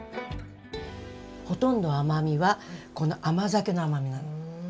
ほとんど甘みはこの甘酒の甘みなの。